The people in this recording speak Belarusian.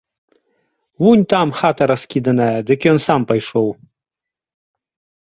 Вунь там хата раскіданая, дык ён сам пайшоў.